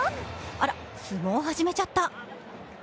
あら、相撲始めちゃった。